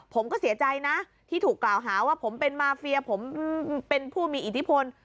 ผมก็เสียใจนะที่ถูกกล่าวหาว่าผมเป็นมาเฟียผมเป็นผู้มีอิทธิพล